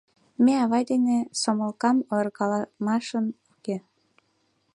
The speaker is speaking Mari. Ме авай дене сомылкам ойыркалымашын уке.